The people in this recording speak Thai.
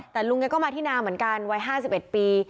แต่ลุงแกก็มาที่นาเหมือนกันวัย๕๑ปี